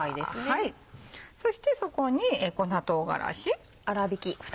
そしてそこに粉唐辛子。